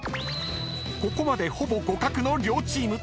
［ここまでほぼ互角の両チーム］